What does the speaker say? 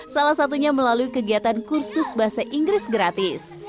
salah satunya melalui kegiatan kursus bahasa inggris gratis